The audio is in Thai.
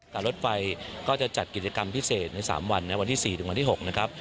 รถไฟก็จะจัดกิจกรรมพิเศษใน๓วันวันที่๔ถึงวันที่๖นะครับ